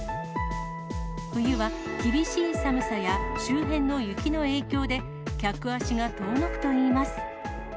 冬は厳しい寒さや、周辺の雪の影響で、客足が遠のくといいます。